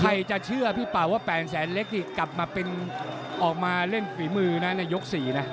กับใครจะเชื่อว่าแปดแสนเล็กที่กลับมาออกมาเล่นฝีมือยก๔นะ